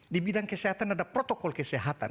di bidang kesehatan ada protokol kesehatan